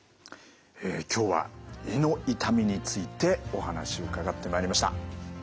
今日は胃の痛みについてお話伺ってまいりました。